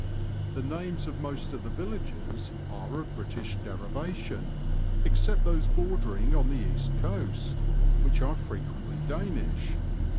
The names of most of the villages are of British derivation, except those bordering on the East coast, which are frequently Danish.